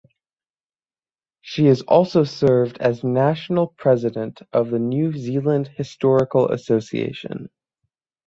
She has also served as national president of the New Zealand Historical Association.